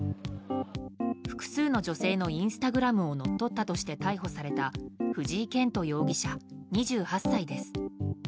複数の女性のインスタグラムを乗っ取ったとして逮捕された藤井健人容疑者、２８歳です。